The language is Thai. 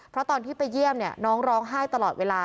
เพราะตอนที่ไปเยี่ยมน้องร้องไห้ตลอดเวลา